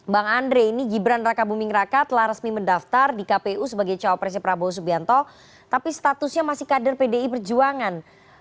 bang andre ini gibran raka buming raka telah resmi mendaftar di kpu sebagai cawapresnya prabowo subianto tapi statusnya masih kader pdi perjuangan